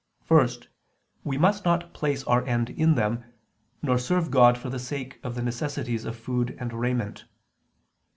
First, we must not place our end in them, nor serve God for the sake of the necessities of food and raiment.